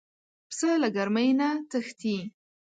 پسه له ګرمۍ نه تښتي.